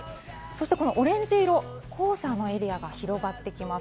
そしてオレンジ色、黄砂のエリアが広がってきます。